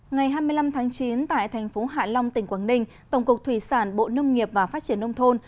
ngày hai mươi năm tháng chín tại thành phố hạ long tỉnh quảng ninh tổng cục thủy sản bộ nông nghiệp và phát triển nông thôn